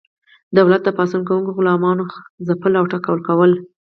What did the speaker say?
دولت د پاڅون کوونکو غلامانو ځپل او ټکول کول.